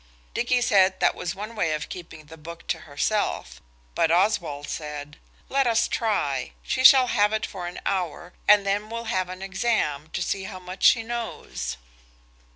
Dicky said that was one way of keeping the book to herself, but Oswald said– "Let us try. She shall have it for an hour, and then we'll have an exam, to see how much she knows."